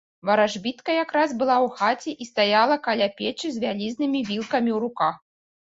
Варажбітка якраз была ў хаце і стаяла каля печы з вялізнымі вілкамі ў руках.